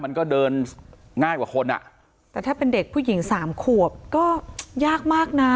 มันก็เดินง่ายกว่าคนอ่ะแต่ถ้าเป็นเด็กผู้หญิงสามขวบก็ยากมากนะ